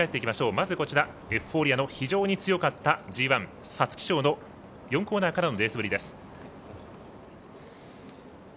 まず、エフフォーリアの非常に強かったＧＩ皐月賞の４コーナーからのレースぶりです。